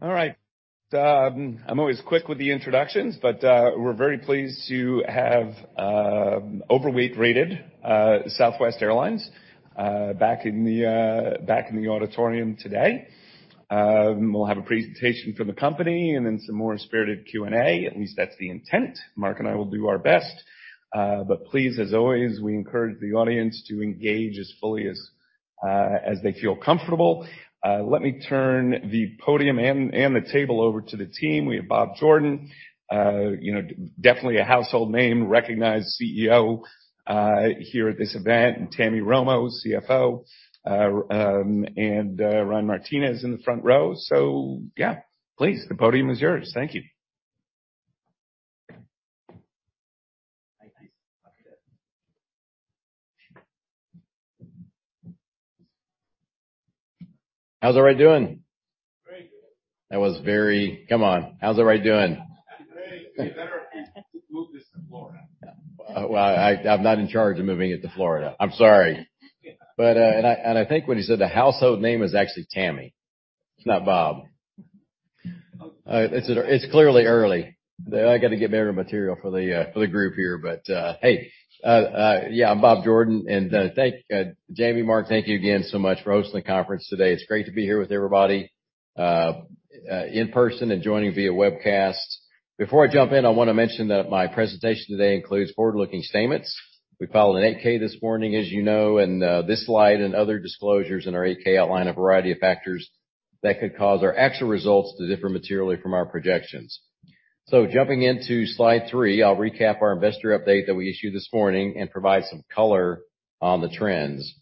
All right. I'm always quick with the introductions, we're very pleased to have overweight rated Southwest Airlines back in the back in the auditorium today. We'll have a presentation from the company then some more spirited Q&A. At least that's the intent. Mark and I will do our best. Please, as always, we encourage the audience to engage as fully as they feel comfortable. Let me turn the podium and the table over to the team. We have Bob Jordan, definitely a household name, recognized CEO here at this event, Tammy Romo, CFO, Ryan Martinez in the front row. Please, the podium is yours. Thank you. How's everybody doing? Very good. That was very. Come on. How's everybody doing? Great. You better move this to Florida. Well, I'm not in charge of moving it to Florida. I'm sorry. I think what he said, the household name is actually Tammy. It's not Bob. It's clearly early. I gotta get better material for the group here, but hey. Yeah, I'm Bob Jordan. Thank Jamie, Mark, thank you again so much for hosting the conference today. It's great to be here with everybody in person and joining via webcast. Before I jump in, I wanna mention that my presentation today includes forward-looking statements. We filed an 8-K this morning, as you know, and this slide and other disclosures in our 8-K outline a variety of factors that could cause our actual results to differ materially from our projections. Jumping into slide three, I'll recap our investor update that we issued this morning and provide some color on the trends.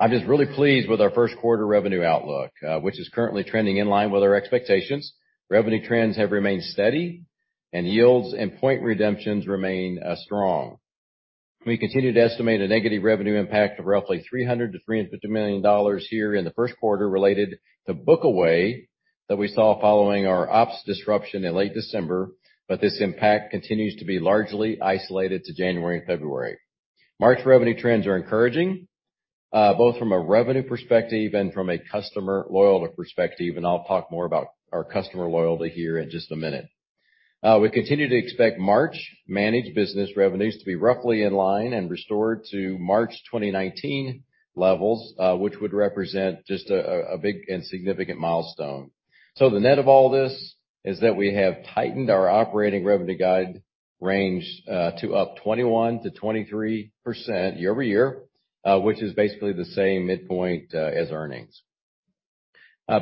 I'm just really pleased with our first quarter revenue outlook, which is currently trending in line with our expectations. Revenue trends have remained steady and yields and point redemptions remain strong. We continue to estimate a negative revenue impact of roughly $300 million-$350 million here in the first quarter related to book away that we saw following our ops disruption in late December, but this impact continues to be largely isolated to January and February. March revenue trends are encouraging, both from a revenue perspective and from a customer loyalty perspective, I'll talk more about our customer loyalty here in just a minute. We continue to expect March managed business revenues to be roughly in line and restored to March 2019 levels, which would represent just a big and significant milestone. The net of all this is that we have tightened our operating revenue guide range to up 21%-23% year-over-year, which is basically the same midpoint as earnings.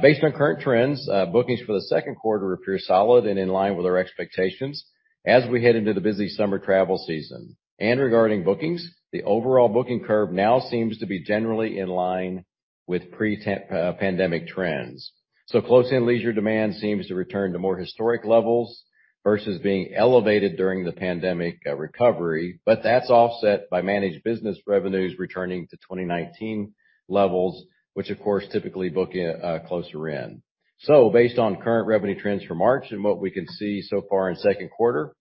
Based on current trends, bookings for the second quarter appear solid and in line with our expectations as we head into the busy summer travel season. Regarding bookings, the overall booking curve now seems to be generally in line with pre-pandemic trends. Close in leisure demand seems to return to more historic levels versus being elevated during the pandemic, recovery, but that's offset by managed business revenues returning to 2019 levels, which of course, typically book closer in. Based on current revenue trends for March and what we can see so far in second quarter,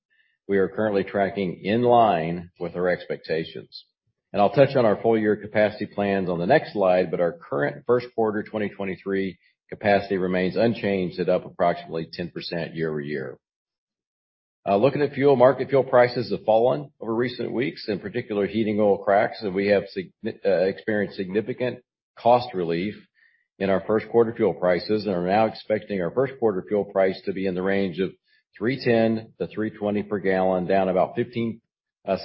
we are currently tracking in line with our expectations. I'll touch on our full year capacity plans on the next slide, but our current first quarter 2023 capacity remains unchanged at up approximately 10% year-over-year. Looking at fuel market, fuel prices have fallen over recent weeks, in particular, heating oil cracks, we have experienced significant cost relief in our first quarter fuel prices and are now expecting our first quarter fuel price to be in the range of $3.10-$3.20 per gallon, down about 15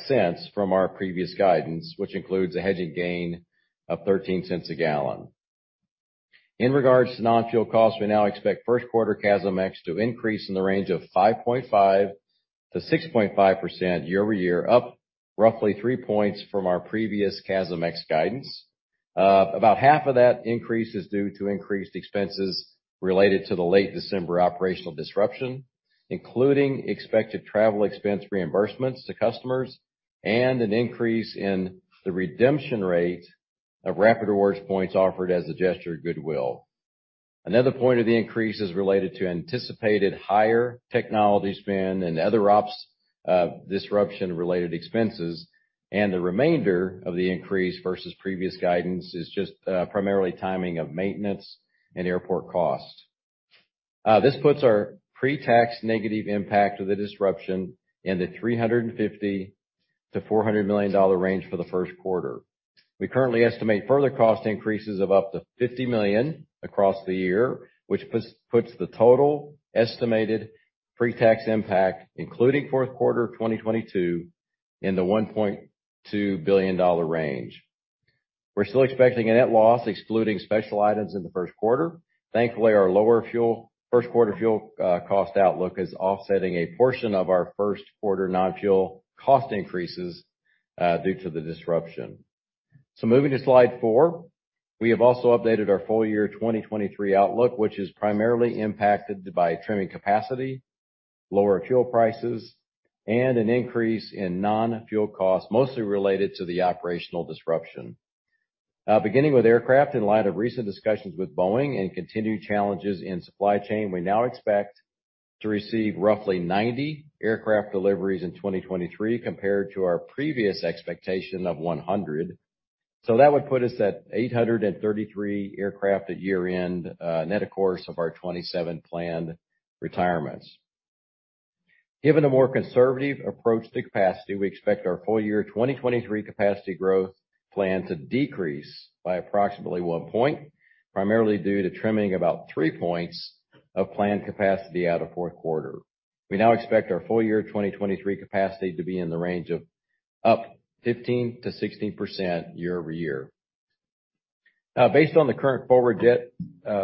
cents from our previous guidance, which includes a hedging gain of 13 cents a gallon. In regards to non-fuel costs, we now expect first quarter CASM-ex to increase in the range of 5.5%-6.5% year-over-year, up roughly 3 points from our previous CASM-ex guidance. About half of that increase is due to increased expenses related to the late December operational disruption, including expected travel expense reimbursements to customers and an increase in the redemption rate of Rapid Rewards points offered as a gesture of goodwill. Another point of the increase is related to anticipated higher technology spend and other ops, disruption related expenses, and the remainder of the increase versus previous guidance is just primarily timing of maintenance and airport costs. This puts our pre-tax negative impact of the disruption in the $350 million-$400 million range for the first quarter. We currently estimate further cost increases of up to $50 million across the year, which puts the total estimated pre-tax impact, including fourth quarter 2022 in the $1.2 billion range. We're still expecting a net loss excluding special items in the first quarter. Thankfully, our lower first quarter fuel cost outlook is offsetting a portion of our first quarter non-fuel cost increases due to the disruption. Moving to slide 4. We have also updated our full year 2023 outlook, which is primarily impacted by trimming capacity, lower fuel prices, and an increase in non-fuel costs, mostly related to the operational disruption. Beginning with aircraft in light of recent discussions with Boeing and continued challenges in supply chain, we now expect to receive roughly 90 aircraft deliveries in 2023 compared to our previous expectation of 100. That would put us at 833 aircraft at year-end, net of course of our 27 planned retirements. Given a more conservative approach to capacity, we expect our full year 2023 capacity growth plan to decrease by approximately one point, primarily due to trimming about three points of planned capacity out of fourth quarter. We now expect our full year 2023 capacity to be in the range of up 15%-16% year-over-year. Based on the current forward jet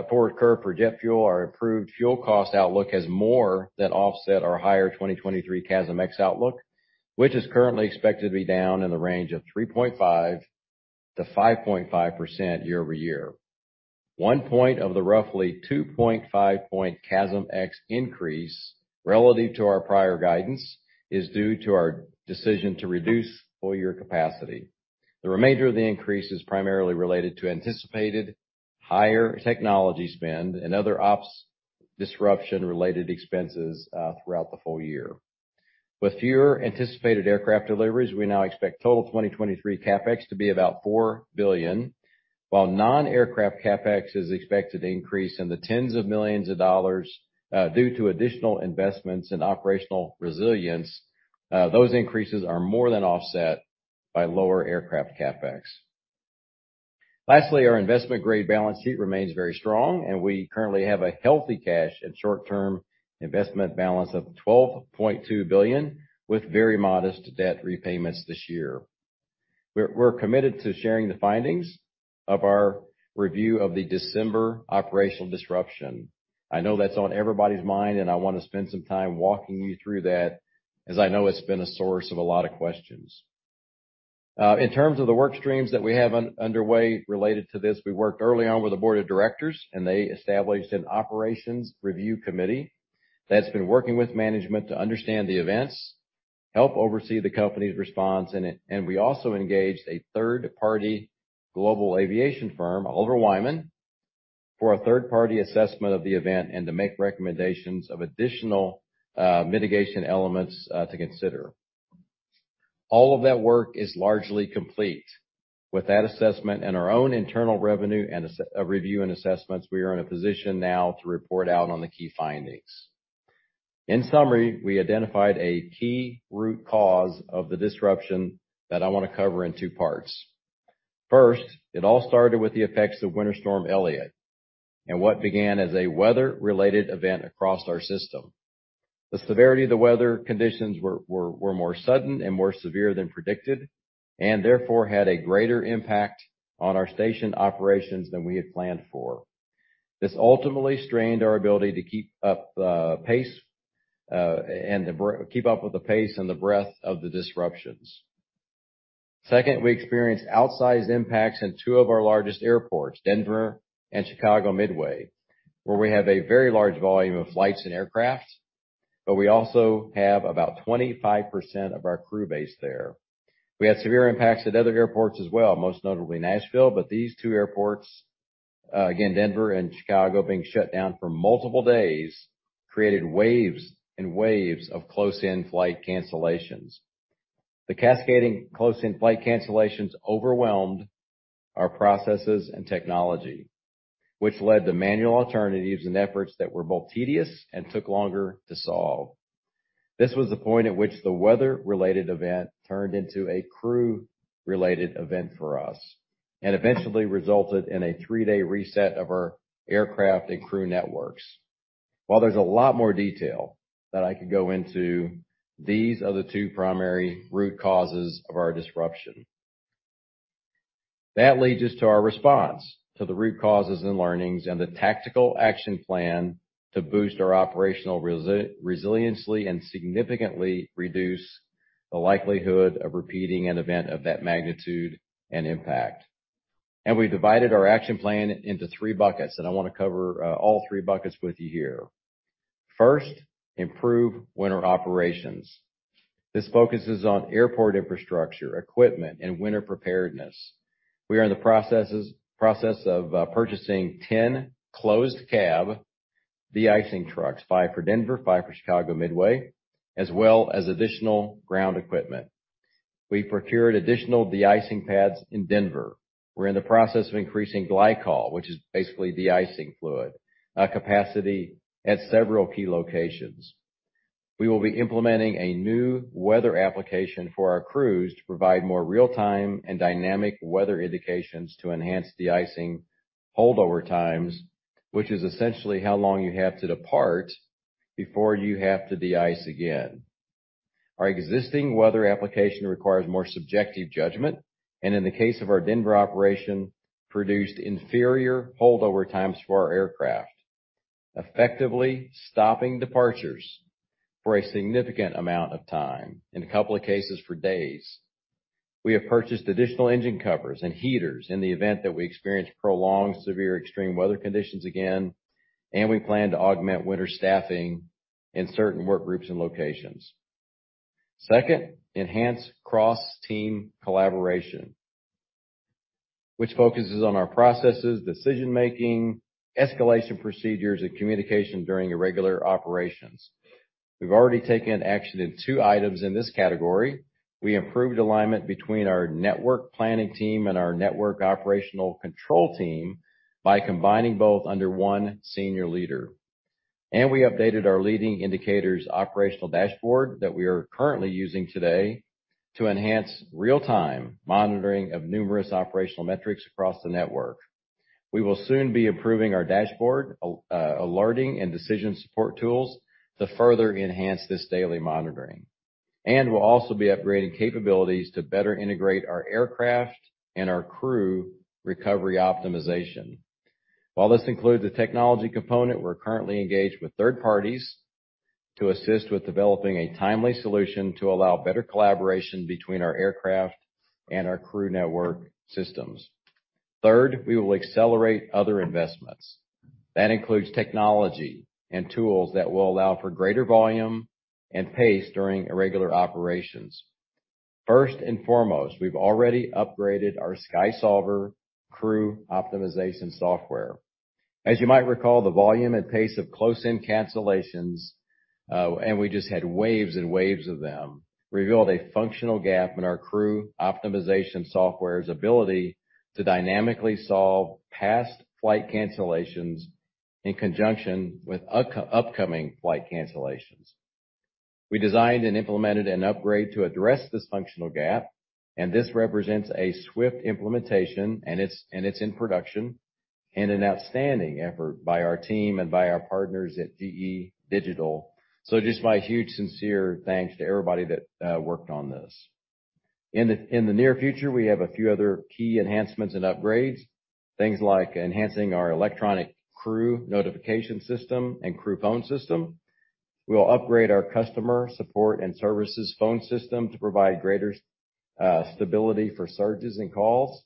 forward curve for jet fuel, our improved fuel cost outlook has more than offset our higher 2023 CASM-ex outlook, which is currently expected to be down in the range of 3.5%-5.5% year-over-year. One point of the roughly 2.5 point CASM-ex increase relative to our prior guidance is due to our decision to reduce full year capacity. The remainder of the increase is primarily related to anticipated higher technology spend and other ops disruption-related expenses throughout the full year. With fewer anticipated aircraft deliveries, we now expect total 2023 CapEx to be about $4 billion. While non-aircraft CapEx is expected to increase in the tens of millions of dollars due to additional investments in operational resilience, those increases are more than offset by lower aircraft CapEx. Lastly, our investment-grade balance sheet remains very strong and we currently have a healthy cash and short-term investment balance of $12.2 billion, with very modest debt repayments this year. We're committed to sharing the findings of our review of the December operational disruption. I know that's on everybody's mind, and I wanna spend some time walking you through that, as I know it's been a source of a lot of questions. In terms of the work streams that we have underway related to this, we worked early on with the board of directors, and they established an operations review committee that's been working with management to understand the events, help oversee the company's response, and we also engaged a third-party global aviation firm, Oliver Wyman, for a third-party assessment of the event and to make recommendations of additional mitigation elements to consider. All of that work is largely complete. With that assessment and our own internal revenue and review and assessments, we are in a position now to report out on the key findings. In summary, we identified a key root cause of the disruption that I wanna cover in two parts. First, it all started with the effects of Winter Storm Elliott, and what began as a weather-related event across our system. The severity of the weather conditions were more sudden and more severe than predicted, and therefore had a greater impact on our station operations than we had planned for. This ultimately strained our ability to keep up pace and to keep up with the pace and the breadth of the disruptions. Second, we experienced outsized impacts in two of our largest airports, Denver and Chicago Midway, where we have a very large volume of flights and aircrafts, but we also have about 25% of our crew based there. We had severe impacts at other airports as well, most notably Nashville, but these two airports, again, Denver and Chicago, being shut down for multiple days, created waves and waves of close-in flight cancellations. The cascading close-in flight cancellations overwhelmed our processes and technology, which led to manual alternatives and efforts that were both tedious and took longer to solve. This was the point at which the weather-related event turned into a crew-related event for us, and eventually resulted in a three-day reset of our aircraft and crew networks. While there's a lot more detail that I could go into, these are the two primary root causes of our disruption. That leads us to our response to the root causes and learnings and the tactical action plan to boost our operational resiliency and significantly reduce the likelihood of repeating an event of that magnitude and impact. We've divided our action plan into three buckets, and I wanna cover all three buckets with you here. First, improve winter operations. This focuses on airport infrastructure, equipment, and winter preparedness. We are in the process of purchasing 10 closed cab de-icing trucks, 5 for Denver, 5 for Chicago Midway, as well as additional ground equipment. We've procured additional de-icing pads in Denver. We're in the process of increasing glycol, which is basically de-icing fluid, capacity at several key locations. We will be implementing a new weather application for our crews to provide more real-time and dynamic weather indications to enhance de-icing holdover times, which is essentially how long you have to depart before you have to de-ice again. Our existing weather application requires more subjective judgment, in the case of our Denver operation, produced inferior holdover times for our aircraft, effectively stopping departures for a significant amount of time, in a couple of cases, for days. We have purchased additional engine covers and heaters in the event that we experience prolonged severe extreme weather conditions again. We plan to augment winter staffing in certain work groups and locations. Second, enhance cross-team collaboration, which focuses on our processes, decision-making, escalation procedures, and communication during irregular operations. We've already taken action in 2 items in this category. We improved alignment between our network planning team and our network operational control team by combining both under 1 senior leader. We updated our leading indicators operational dashboard that we are currently using today to enhance real-time monitoring of numerous operational metrics across the network. We will soon be improving our dashboard alerting and decision support tools to further enhance this daily monitoring. We'll also be upgrading capabilities to better integrate our aircraft and our crew recovery optimization. While this includes a technology component, we're currently engaged with third parties to assist with developing a timely solution to allow better collaboration between our aircraft and our crew network systems. Third, we will accelerate other investments. That includes technology and tools that will allow for greater volume and pace during irregular operations. First and foremost, we've already upgraded our SkySolver crew optimization software. As you might recall, the volume and pace of close-in cancellations, and we just had waves and waves of them, revealed a functional gap in our crew optimization software's ability to dynamically solve past flight cancellations in conjunction with upcoming flight cancellations. We designed and implemented an upgrade to address this functional gap, and this represents a swift implementation, and it's in production, and an outstanding effort by our team and by our partners at GE Digital. Just my huge sincere thanks to everybody that worked on this. In the near future, we have a few other key enhancements and upgrades, things like enhancing our electronic crew notification system and crew phone system. We'll upgrade our customer support and services phone system to provide greater stability for surges in calls,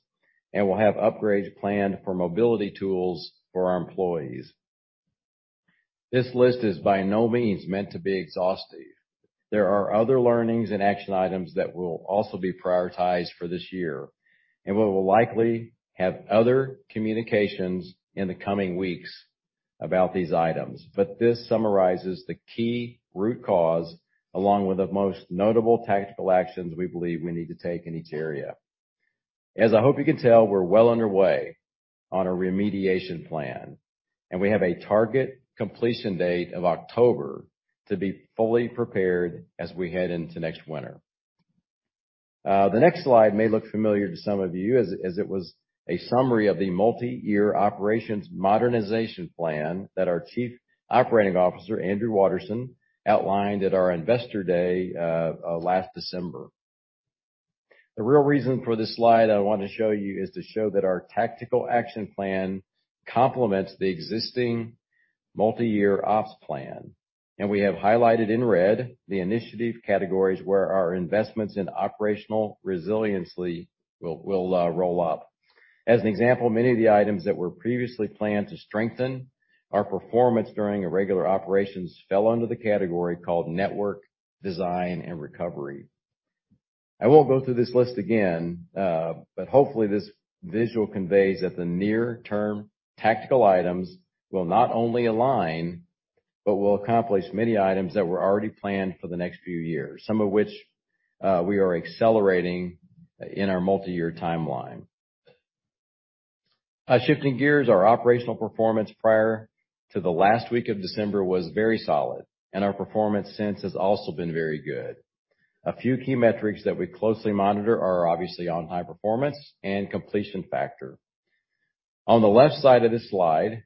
and we'll have upgrades planned for mobility tools for our employees. This list is by no means meant to be exhaustive. There are other learnings and action items that will also be prioritized for this year, and we will likely have other communications in the coming weeks about these items. This summarizes the key root cause, along with the most notable tactical actions we believe we need to take in each area. As I hope you can tell, we're well underway on a remediation plan, and we have a target completion date of October to be fully prepared as we head into next winter. The next slide may look familiar to some of you as it was a summary of the multiyear operations modernization plan that our Chief Operating Officer, Andrew Watterson, outlined at our investor day last December. The real reason for this slide I want to show you is to show that our tactical action plan complements the existing multiyear ops plan, and we have highlighted in red the initiative categories where our investments in operational resiliency will roll out. As an example, many of the items that were previously planned to strengthen our performance during irregular operations fell under the category called Network Design and Recovery. I won't go through this list again, but hopefully, this visual conveys that the near-term tactical items will not only align but will accomplish many items that were already planned for the next few years, some of which, we are accelerating in our multiyear timeline. Shifting gears, our operational performance prior to the last week of December was very solid, our performance since has also been very good. A few key metrics that we closely monitor are obviously on-time performance and completion factor. On the left side of this slide,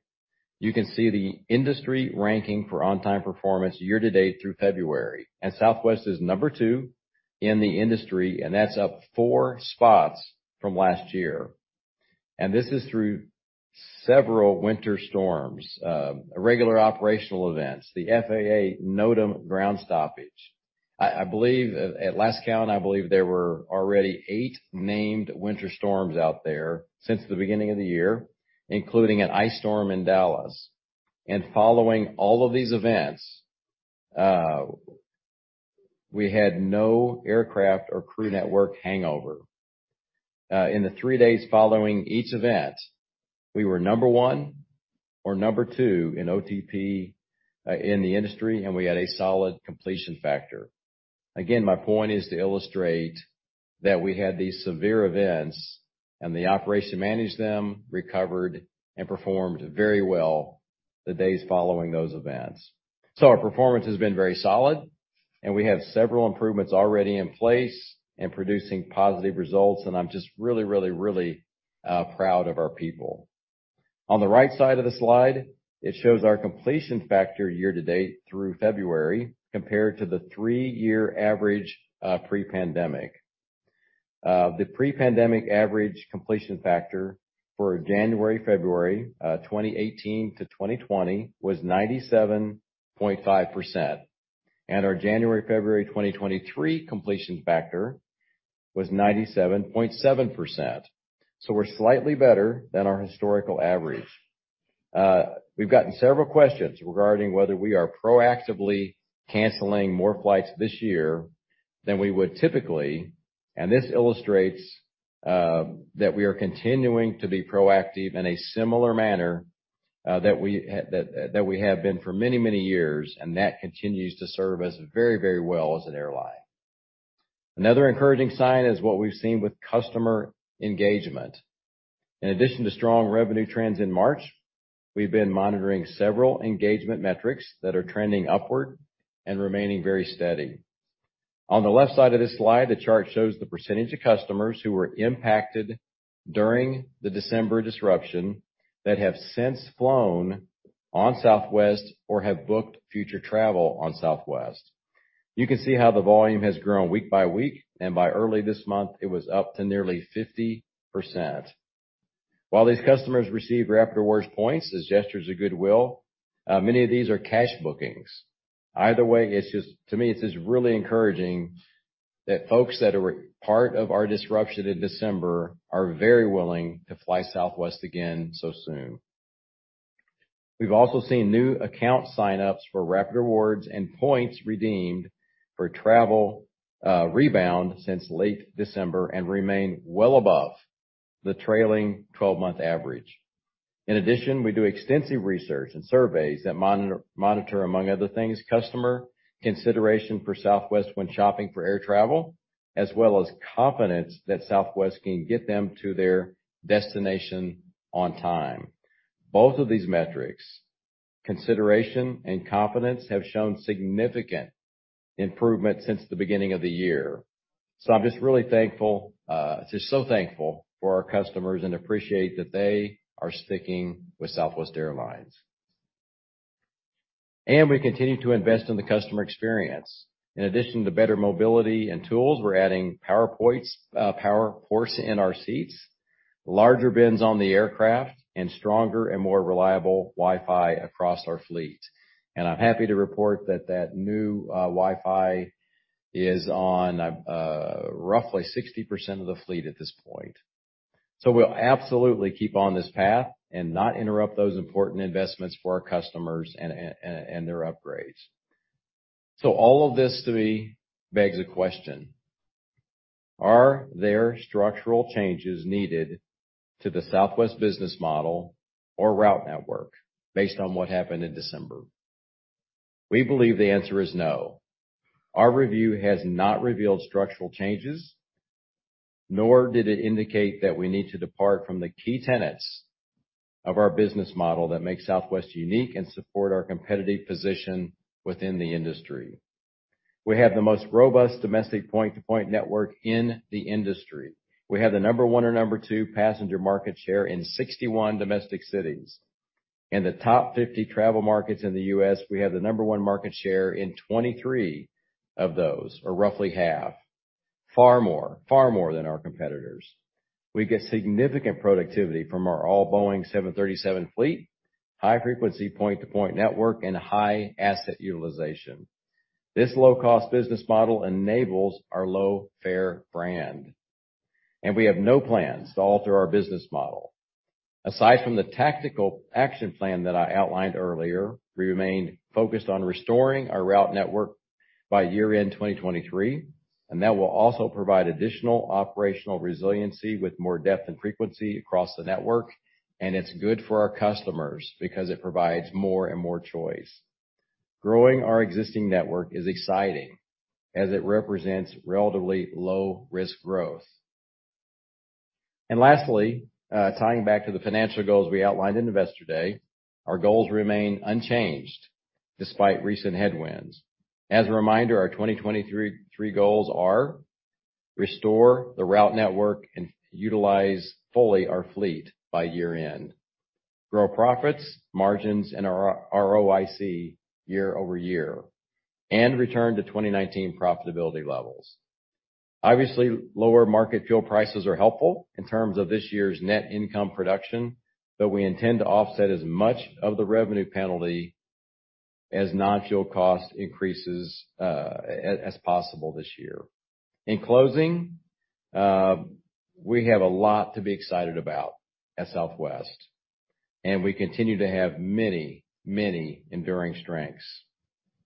you can see the industry ranking for on-time performance year-to-date through February, Southwest is number 2 in the industry, that's up 4 spots from last year. This is through several winter storms, irregular operational events, the FAA NOTAM ground stoppage. I believe at last count, I believe there were already 8 named winter storms out there since the beginning of the year, including an ice storm in Dallas. Following all of these events, we had no aircraft or crew network hangover. In the 3 days following each event, we were number one or number two in OTP in the industry, and we had a solid completion factor. Again, my point is to illustrate that we had these severe events and the operation managed them, recovered, and performed very well the days following those events. Our performance has been very solid, and we have several improvements already in place and producing positive results, and I'm just really proud of our people. On the right side of the slide, it shows our completion factor year-to-date through February compared to the three-year average pre-pandemic. The pre-pandemic average completion factor for January, February, 2018 to 2020 was 97.5%, and our January, February 2023 completion factor was 97.7%. We're slightly better than our historical average. We've gotten several questions regarding whether we are proactively canceling more flights this year than we would typically, and this illustrates that we are continuing to be proactive in a similar manner that we have been for many, many years. That continues to serve us very, very well as an airline. Another encouraging sign is what we've seen with customer engagement. In addition to strong revenue trends in March, we've been monitoring several engagement metrics that are trending upward and remaining very steady. On the left side of this slide, the chart shows the percentage of customers who were impacted during the December disruption that have since flown on Southwest or have booked future travel on Southwest. You can see how the volume has grown week by week, and by early this month, it was up to nearly 50%. While these customers receive Rapid Rewards points as gestures of goodwill, many of these are cash bookings. Either way, it's just... To me, it's just really encouraging that folks that were part of our disruption in December are very willing to fly Southwest again so soon. We've also seen new account signups for Rapid Rewards and points redeemed for travel rebound since late December and remain well above the trailing 12-month average. In addition, we do extensive research and surveys that monitor, among other things, customer consideration for Southwest when shopping for air travel, as well as confidence that Southwest can get them to their destination on time. Both of these metrics, consideration and confidence, have shown significant improvement since the beginning of the year. I'm just really thankful, just so thankful for our customers and appreciate that they are sticking with Southwest Airlines. We continue to invest in the customer experience. In addition to better mobility and tools, we're adding power points, power ports in our seats, larger bins on the aircraft, and stronger and more reliable Wi-Fi across our fleet. I'm happy to report that that new Wi-Fi is on roughly 60% of the fleet at this point. We'll absolutely keep on this path and not interrupt those important investments for our customers and their upgrades. All of this to me begs a question, are there structural changes needed to the Southwest business model or route network based on what happened in December? We believe the answer is no. Our review has not revealed structural changes, nor did it indicate that we need to depart from the key tenets of our business model that makes Southwest unique and support our competitive position within the industry. We have the most robust domestic point-to-point network in the industry. We have the number one or number two passenger market share in 61 domestic cities. In the top 50 travel markets in the U.S., we have the number one market share in 23 of those, or roughly half, far more than our competitors. We get significant productivity from our all Boeing 737 fleet, high-frequency point-to-point network, and high asset utilization. This low-cost business model enables our low fare brand. We have no plans to alter our business model. Aside from the tactical action plan that I outlined earlier, we remain focused on restoring our route network by year-end 2023, and that will also provide additional operational resiliency with more depth and frequency across the network, and it's good for our customers because it provides more and more choice. Growing our existing network is exciting as it represents relatively low-risk growth. Lastly, tying back to the financial goals we outlined in Investor Day, our goals remain unchanged despite recent headwinds. As a reminder, our 2023 goals are restore the route network and utilize fully our fleet by year end, grow profits, margins and our ROIC year-over-year, and return to 2019 profitability levels. Obviously, lower market fuel prices are helpful in terms of this year's net income production, we intend to offset as much of the revenue penalty as non-fuel cost increases as possible this year. In closing, we have a lot to be excited about at Southwest, we continue to have many enduring strengths.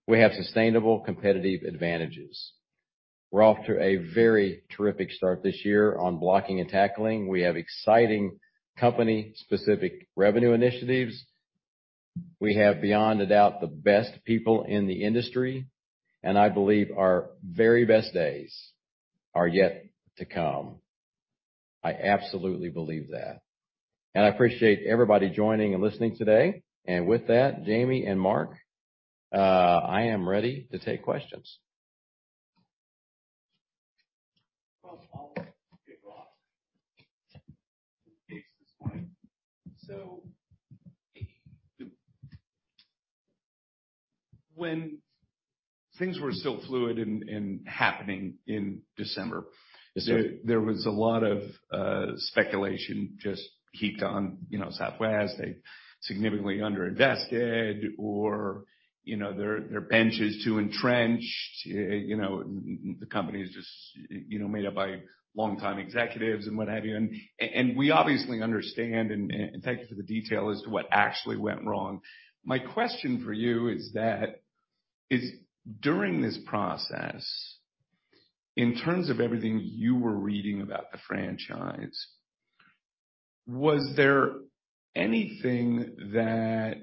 We have sustainable competitive advantages. We're off to a very terrific start this year on blocking and tackling. We have exciting company-specific revenue initiatives. We have, beyond a doubt, the best people in the industry, and I believe our very best days are yet to come. I absolutely believe that. I appreciate everybody joining and listening today. With that, Jamie and Mark, I am ready to take questions. Well, I'll kick off this morning. When things were still fluid and happening in December... Yes, sir. There was a lot of speculation just heaped on, you know, Southwest. They significantly underinvested or, you know, their bench is too entrenched. You know, the company is just, you know, made up by longtime executives and what have you. We obviously understand and thank you for the detail as to what actually went wrong. My question for you is that during this process, in terms of everything you were reading about the franchise Was there anything that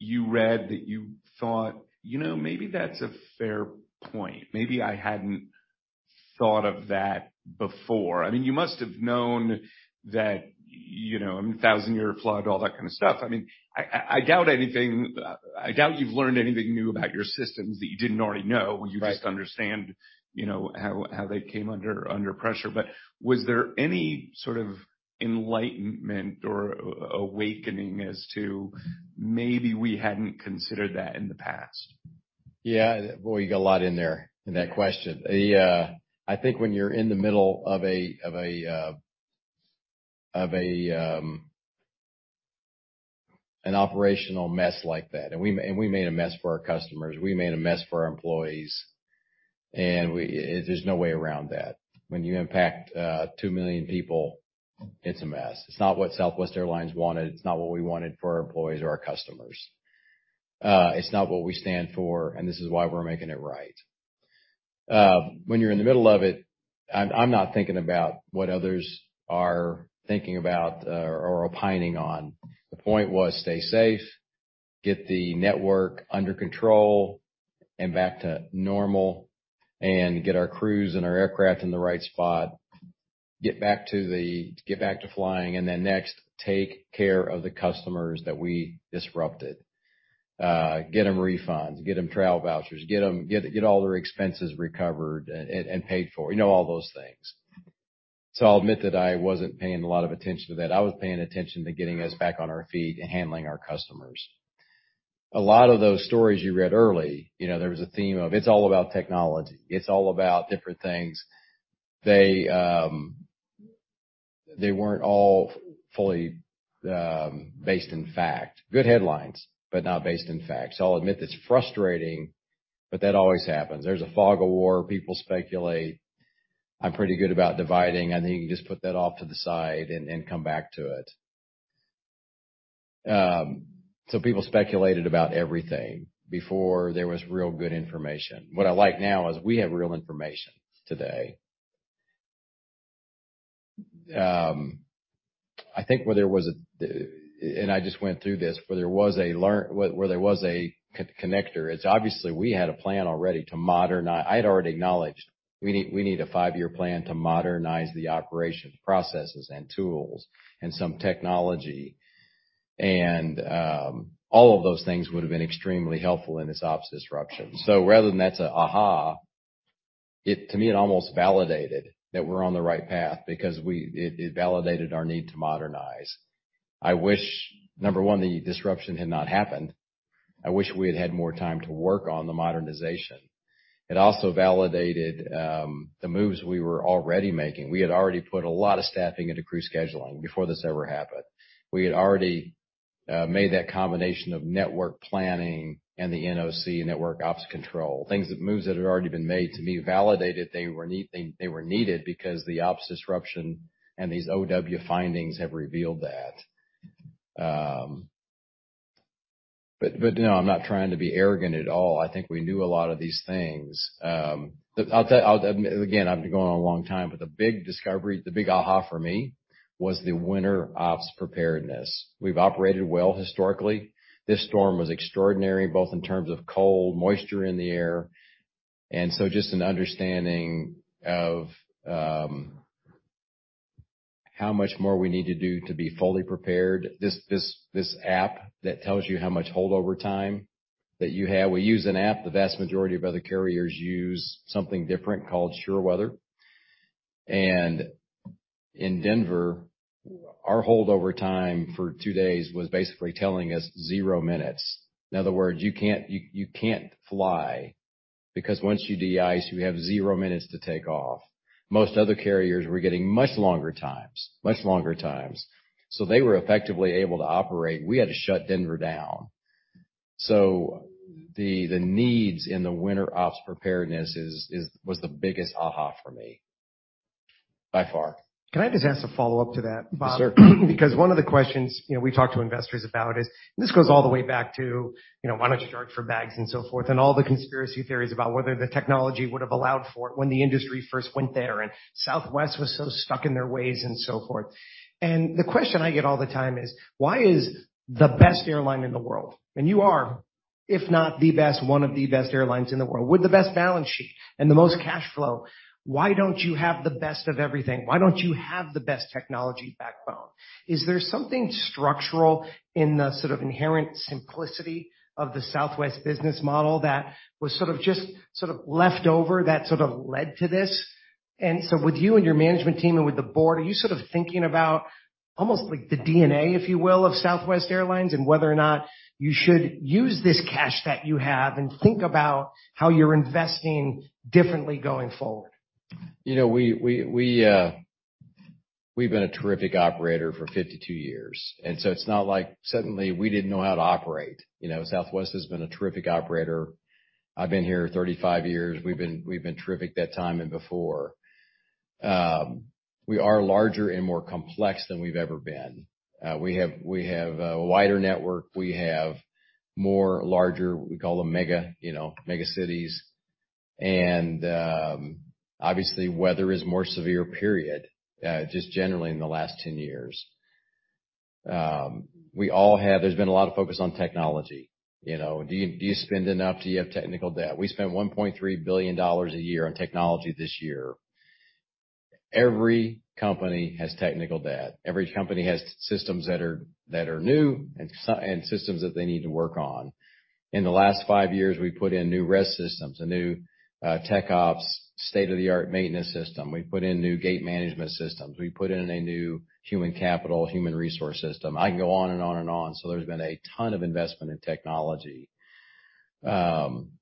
you read that you thought, you know, maybe that's a fair point? Maybe I hadn't thought of that before. I mean, you must have known that, you know, a 1,000-year flood, all that kind of stuff. I mean, I doubt you've learned anything new about your systems that you didn't already know. Right. You just understand, you know, how they came under pressure. Was there any sort of enlightenment or awakening as to maybe we hadn't considered that in the past? Yeah. Boy, you got a lot in there, in that question. I think when you're in the middle of an operational mess like that, we made a mess for our customers, we made a mess for our employees, and there's no way around that. When you impact 2 million people, it's a mess. It's not what Southwest Airlines wanted. It's not what we wanted for our employees or our customers. It's not what we stand for. This is why we're making it right. When you're in the middle of it, I'm not thinking about what others are thinking about or opining on. The point was stay safe, get the network under control and back to normal, get our crews and our aircraft in the right spot, get back to flying, then next, take care of the customers that we disrupted. Get them refunds, get them travel vouchers, get all their expenses recovered and paid for, you know, all those things. I'll admit that I wasn't paying a lot of attention to that. I was paying attention to getting us back on our feet and handling our customers. A lot of those stories you read early, you know, there was a theme of, it's all about technology. It's all about different things. They weren't all fully based in fact. Good headlines, not based in fact. I'll admit that's frustrating, that always happens. There's a fog of war. People speculate. I'm pretty good about dividing, and then you can just put that off to the side and come back to it. People speculated about everything before there was real good information. What I like now is we have real information today. I think where I just went through this, where there was a con-connector, it's obviously we had a plan already to modernize. I had already acknowledged we need a 5-year plan to modernize the operations, processes, and tools and some technology. All of those things would have been extremely helpful in this ops disruption. Rather than that's a aha, to me, it almost validated that we're on the right path because it validated our need to modernize. I wish, number one, the disruption had not happened. I wish we had had more time to work on the modernization. It also validated the moves we were already making. We had already put a lot of staffing into crew scheduling before this ever happened. We had already made that combination of network planning and the NOC, network ops control, moves that had already been made to be validated. They were needed because the ops disruption and these OW findings have revealed that. No, I'm not trying to be arrogant at all. I think we knew a lot of these things. Again, I've been going on a long time, the big discovery, the big aha for me was the winter ops preparedness. We've operated well historically. This storm was extraordinary, both in terms of cold, moisture in the air. Just an understanding of how much more we need to do to be fully prepared. This app that tells you how much holdover time that you have. We use an app. The vast majority of other carriers use something different called SureWx. In Denver, our holdover time for 2 days was basically telling us 0 minutes. In other words, you can't fly because once you de-ice, you have 0 minutes to take off. Most other carriers were getting much longer times. They were effectively able to operate. We had to shut Denver down. The needs in the winter ops preparedness is the biggest aha for me by far. Can I just ask a follow-up to that, Bob? Yes, sir. One of the questions, you know, we talk to investors about is, and this goes all the way back to, you know, why don't you charge for bags and so forth, and all the conspiracy theories about whether the technology would have allowed for it when the industry first went there, and Southwest was so stuck in their ways and so forth. The question I get all the time is, why is the best airline in the world, and you are if not the best, one of the best airlines in the world, with the best balance sheet and the most cash flow, why don't you have the best of everything? Why don't you have the best technology backbone? Is there something structural in the sort of inherent simplicity of the Southwest business model that was sort of just, sort of left over that sort of led to this? With you and your management team and with the board, are you sort of thinking about almost like the DNA, if you will, of Southwest Airlines and whether or not you should use this cash that you have and think about how you're investing differently going forward? You know, we've been a terrific operator for 52 years. It's not like suddenly we didn't know how to operate. You know, Southwest has been a terrific operator. I've been here 35 years. We've been terrific that time and before. We are larger and more complex than we've ever been. We have a wider network. We have more larger, we call them mega, you know, mega cities. Obviously, weather is more severe period, just generally in the last 10 years. There's been a lot of focus on technology. You know, do you spend enough? Do you have technical debt? We spent $1.3 billion a year on technology this year. Every company has technical debt. Every company has systems that are new and systems that they need to work on. In the last five years, we put in new RES systems, a new Tech Ops state-of-the-art maintenance system. We put in new gate management systems. We put in a new human capital, human resource system. I can go on and on and on. There's been a ton of investment in technology. I'm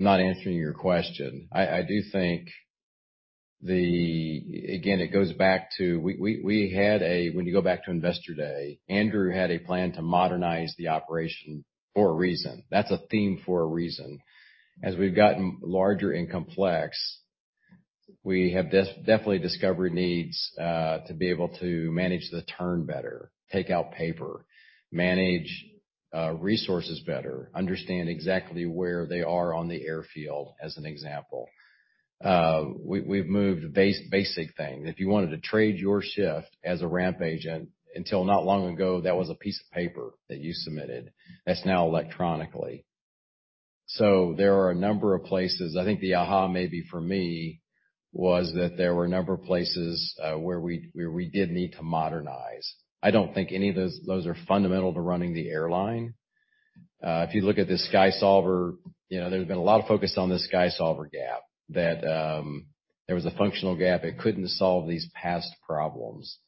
not answering your question. I do think. Again, it goes back to we had. When you go back to Investor Day, Andrew had a plan to modernize the operation for a reason. That's a theme for a reason. As we've gotten larger and complex, we have definitely discovered needs to be able to manage the turn better, take out paper, manage resources better, understand exactly where they are on the airfield, as an example. We've moved basic thing. If you wanted to trade your shift as a ramp agent, until not long ago, that was a piece of paper that you submitted. That's now electronically. There are a number of places, I think the aha, maybe for me, was that there were a number of places where we, where we did need to modernize. I don't think any of those are fundamental to running the airline. If you look at the SkySolver, you know, there's been a lot of focus on the SkySolver gap, that there was a functional gap. It couldn't solve these past problems.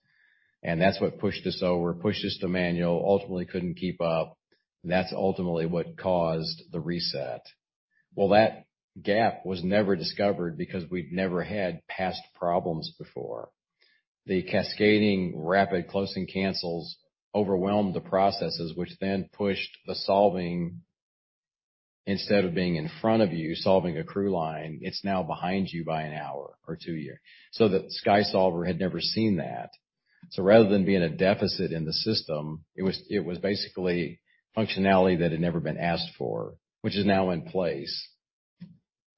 That's what pushed us over, pushed us to manual, ultimately couldn't keep up. That's ultimately what caused the reset. That gap was never discovered because we'd never had past problems before. The cascading rapid closing cancels overwhelmed the processes, which then pushed the solving. Instead of being in front of you, solving a crew line, it's now behind you by an hour or 2 here. The SkySolver had never seen that. Rather than being a deficit in the system, it was basically functionality that had never been asked for, which is now in place.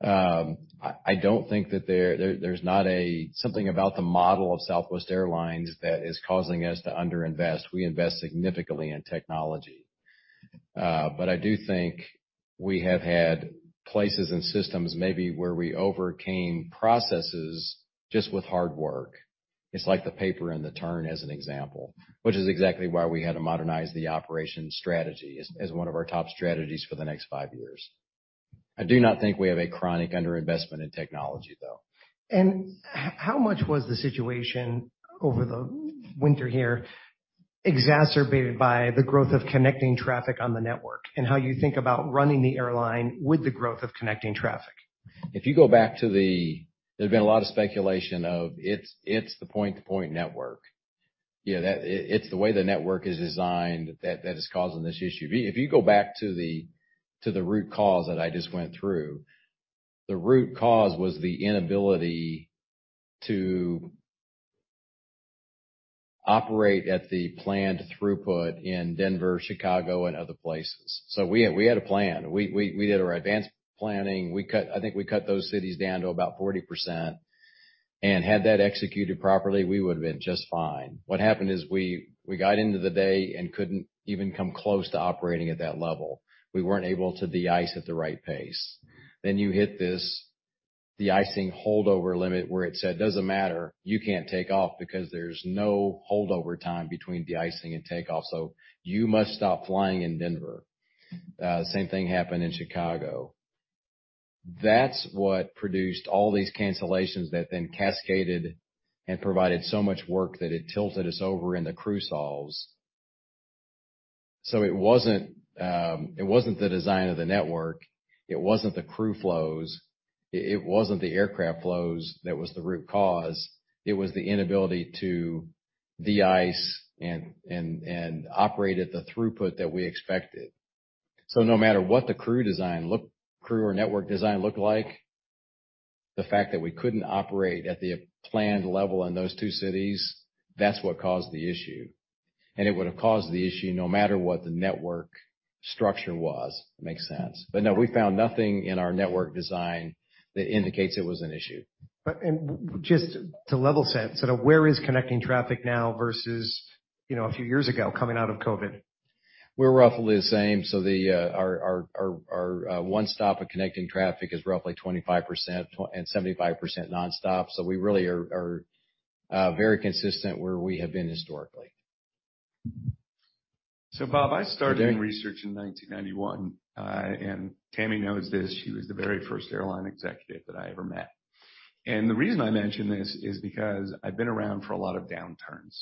I don't think that there's not something about the model of Southwest Airlines that is causing us to under-invest. We invest significantly in technology. I do think we have had places and systems maybe where we overcame processes just with hard work. It's like the paper and the turn as an example, which is exactly why we had to modernize the operation strategy as one of our top strategies for the next five years. I do not think we have a chronic underinvestment in technology, though. How much was the situation over the winter here exacerbated by the growth of connecting traffic on the network and how you think about running the airline with the growth of connecting traffic? There's been a lot of speculation of it's the point-to-point network. You know, that it's the way the network is designed that is causing this issue. If you go back to the root cause that I just went through, the root cause was the inability to operate at the planned throughput in Denver, Chicago, and other places. We had a plan. We did our advanced planning. I think we cut those cities down to about 40%. Had that executed properly, we would have been just fine. What happened is we got into the day and couldn't even come close to operating at that level. We weren't able to de-ice at the right pace. You hit this de-icing holdover limit where it said, "Doesn't matter, you can't take off because there's no holdover time between de-icing and takeoff, so you must stop flying in Denver." Same thing happened in Chicago. That's what produced all these cancellations that then cascaded and provided so much work that it tilted us over in the crew solves. It wasn't, it wasn't the design of the network, it wasn't the crew flows, it wasn't the aircraft flows that was the root cause. It was the inability to de-ice and operate at the throughput that we expected. No matter what the crew or network design look like, the fact that we couldn't operate at the planned level in those two cities, that's what caused the issue. It would have caused the issue no matter what the network structure was, if that makes sense. No, we found nothing in our network design that indicates it was an issue. Just to level set, where is connecting traffic now versus, you know, a few years ago coming out of COVID? We're roughly the same. The our one-stop connecting traffic is roughly 25% and 75% nonstop. We really are very consistent where we have been historically. Bob, I started research in 1991, and Tammy knows this. She was the very first airline executive that I ever met. The reason I mention this is because I've been around for a lot of downturns,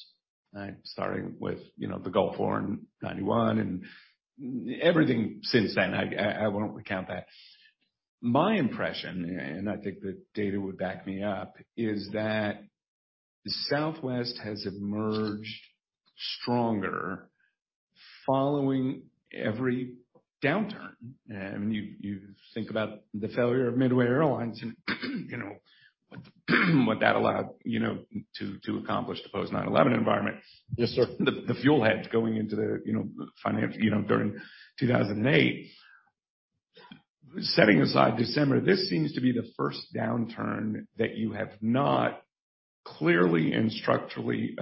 right. Starting with, you know, the Gulf War in 1991 and everything since then. I won't recount that. My impression, and I think the data would back me up, is that Southwest has emerged stronger following every downturn. You think about the failure of Midway Airlines and, you know. What that allowed, you know, to accomplish the post 9/11 environment. Yes, sir. The fuel hedge going into the, you know, finance, you know, during 2008. Setting aside December, this seems to be the first downturn that you have not clearly and structurally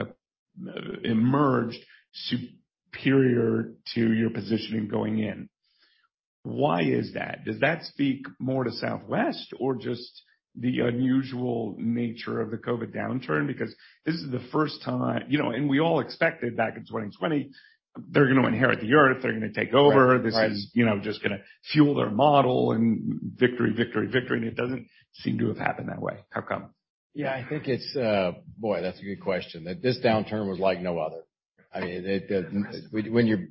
emerged superior to your positioning going in. Why is that? Does that speak more to Southwest or just the unusual nature of the COVID downturn? Because this is the first time. You know, and we all expected back in 2020, they're gonna inherit the Earth, they're gonna take over. Right. Right. This is, you know, just gonna fuel their model and victory, victory, and it doesn't seem to have happened that way. How come? Yeah, I think it's. Boy, that's a good question. That this downturn was like no other. I mean. Mm-hmm.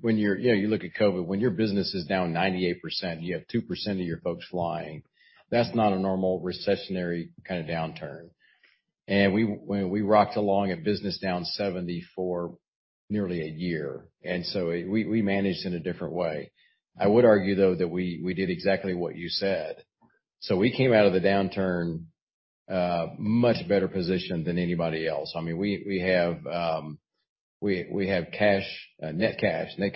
You know, you look at COVID, when your business is down 98%, you have 2% of your folks flying, that's not a normal recessionary kinda downturn. When we rocked along at business down 70% for nearly a year, we managed in a different way. I would argue, though, that we did exactly what you said. We came out of the downturn, much better positioned than anybody else. I mean, we have cash, net cash and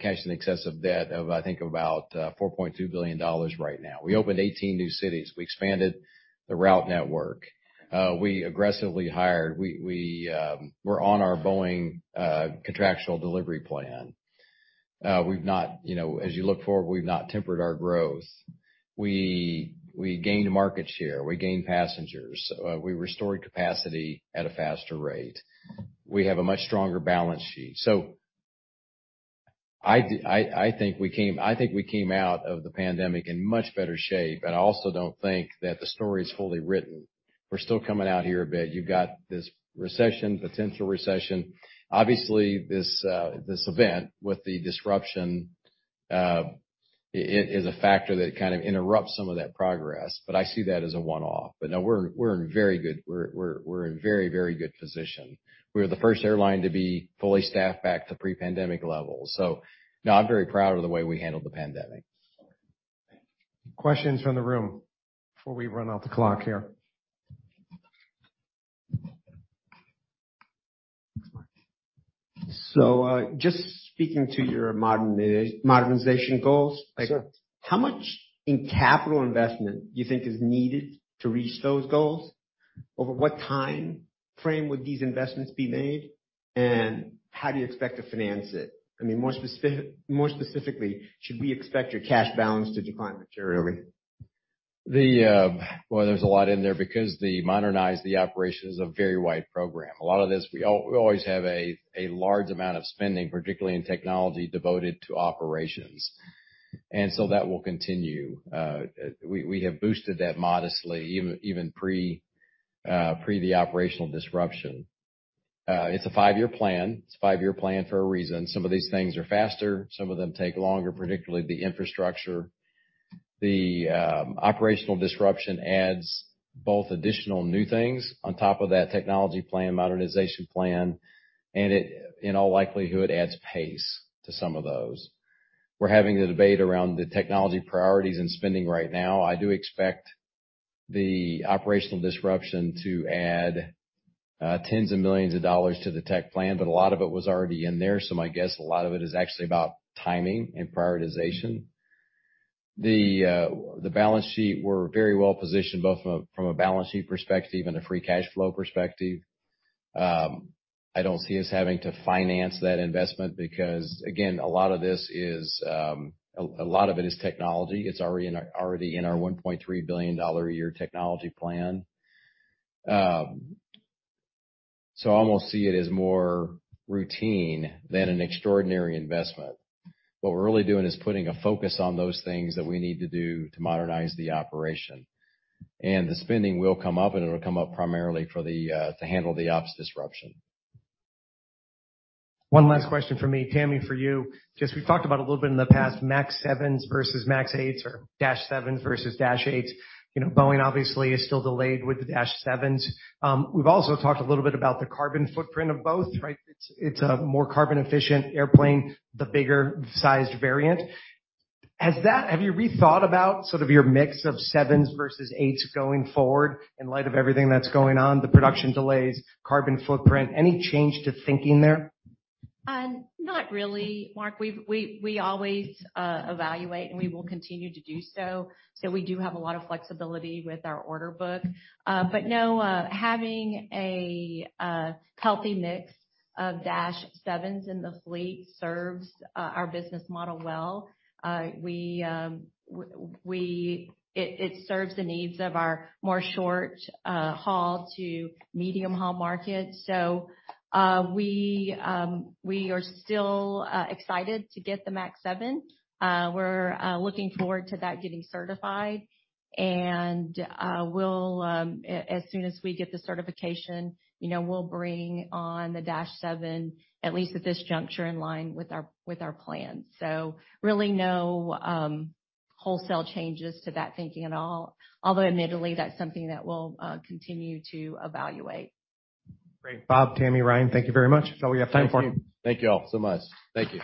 cash in excess of debt of I think about $4.2 billion right now. We opened 18 new cities. We expanded the route network. We aggressively hired. We're on our Boeing contractual delivery plan. We've not, you know, as you look forward, we've not tempered our growth. We gained market share. We gained passengers. We restored capacity at a faster rate. We have a much stronger balance sheet. I think we came out of the pandemic in much better shape, and I also don't think that the story is fully written. We're still coming out here a bit. You've got this recession, potential recession. Obviously, this event with the disruption is a factor that kind of interrupts some of that progress, but I see that as a one-off. No, we're in very, very good position. We're the first airline to be fully staffed back to pre-pandemic levels. No, I'm very proud of the way we handled the pandemic. Questions from the room before we run out the clock here. Thanks, Mark. Just speaking to your modernization goals. Yes, sir. Like, how much in capital investment do you think is needed to reach those goals? Over what timeframe would these investments be made? How do you expect to finance it? I mean, more specifically, should we expect your cash balance to decline materially? Boy, there's a lot in there because the modernize the operation is a very wide program. A lot of this, we always have a large amount of spending, particularly in technology, devoted to operations. That will continue. We have boosted that modestly, even pre the operational disruption. It's a 5-year plan. It's a 5-year plan for a reason. Some of these things are faster, some of them take longer, particularly the infrastructure. The operational disruption adds both additional new things on top of that technology plan, modernization plan, and it, in all likelihood, adds pace to some of those. We're having a debate around the technology priorities and spending right now. I do expect the operational disruption to add $10s of millions to the tech plan, but a lot of it was already in there, so my guess, a lot of it is actually about timing and prioritization. The balance sheet, we're very well positioned, both from a balance sheet perspective and a free cash flow perspective. I don't see us having to finance that investment because, again, a lot of this is, a lot of it is technology. It's already in our $1.3 billion a year technology plan. I almost see it as more routine than an extraordinary investment. What we're really doing is putting a focus on those things that we need to do to modernize the operation. The spending will come up, and it'll come up primarily for the to handle the ops disruption. One last question from me. Tammy, for you. Just we talked about a little bit in the past, MAX 7s versus MAX 8s or dash seven versus dash eights. You know, Boeing obviously is still delayed with the dash sevens. We've also talked a little bit about the carbon footprint of both, right? It's a more carbon efficient airplane, the bigger sized variant. Have you rethought about sort of your mix of sevens versus eights going forward in light of everything that's going on, the production delays, carbon footprint? Any change to thinking there? Not really, Mark. We've, we always evaluate, and we will continue to do so. We do have a lot of flexibility with our order book. No, having a healthy mix of dash 7s in the fleet serves our business model well. We, it serves the needs of our more short haul to medium haul market. We are still excited to get the MAX 7. We're looking forward to that getting certified. We'll, as soon as we get the certification, you know, we'll bring on the dash 7, at least at this juncture, in line with our, with our plans. Really no wholesale changes to that thinking at all. Admittedly, that's something that we'll continue to evaluate. Great. Bob, Tammy, Ryan, thank you very much. That's all we have time for. Thank you all so much. Thank you.